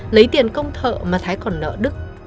lấy tiền công thợ mà thái còn nợ đức